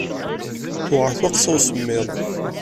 Tewɛer twaqqsa n usemmiḍ.